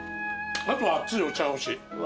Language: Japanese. あとは熱いお茶が欲しい。